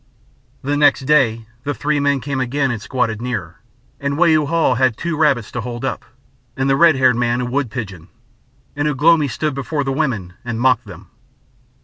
The next day the three men came again and squatted nearer, and Wau Hau had two rabbits to hold up, and the red haired man a wood pigeon, and Ugh lomi stood before the women and mocked them.